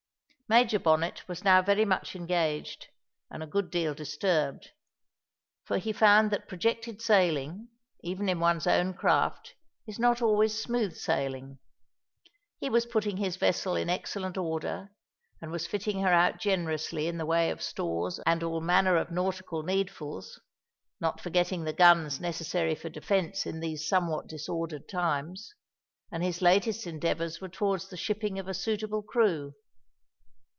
Major Bonnet was now very much engaged and a good deal disturbed, for he found that projected sailing, even in one's own craft, is not always smooth sailing. He was putting his vessel in excellent order, and was fitting her out generously in the way of stores and all manner of nautical needfuls, not forgetting the guns necessary for defence in these somewhat disordered times, and his latest endeavours were towards the shipping of a suitable crew.